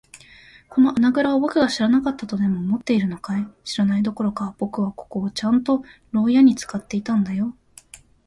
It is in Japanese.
この穴ぐらをぼくが知らなかったとでも思っているのかい。知らないどころか、ぼくはここをちゃんと牢屋ろうやに使っていたんだよ。